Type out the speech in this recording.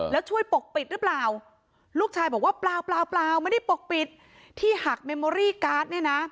แล้วช่วยปกปิดหรือเปล่าลูกชายบอกว่าเปล่าเปล่าไม่ได้ปกปิดที่หักเมมโอรี่การ์ดเนี่ยนะ